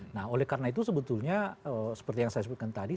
nah oleh karena itu sebetulnya seperti yang saya sebutkan tadi